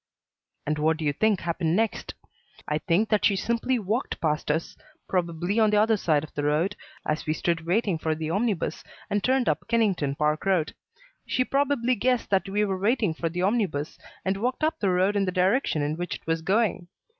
"And what do you think happened next?" "I think that she simply walked past us probably on the other side of the road as we stood waiting for the omnibus, and turned up Kennington Park Road. She probably guessed that we were waiting for the omnibus and walked up the road in the direction in which it was going.